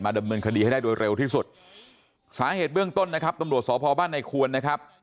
ดำเนินคดีให้ได้โดยเร็วที่สุดสาเหตุเบื้องต้นนะครับตำรวจสพบ้านในควรนะครับ